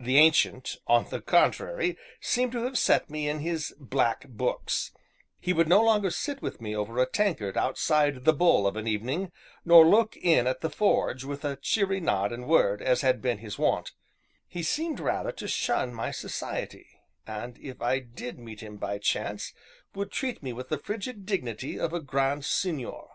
The Ancient, on the contrary, seemed to have set me in his "black books;" he would no longer sit with me over a tankard outside "The Bull" of an evening, nor look in at the forge, with a cheery nod and word, as had been his wont; he seemed rather to shun my society, and, if I did meet him by chance, would treat me with the frigid dignity of a Grand Seigneur.